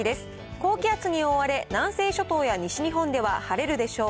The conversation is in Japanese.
高気圧に覆われ、南西諸島や西日本では晴れるでしょう。